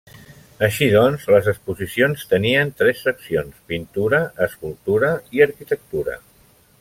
Així doncs, les exposicions tenien tres seccions: pintura, escultura i arquitectura.